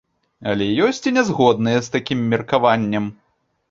Але ёсць і нязгодныя з такім меркаваннем.